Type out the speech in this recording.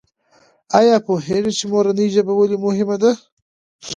آیا پوهېږې چې مورنۍ ژبه ولې مهمه ده؟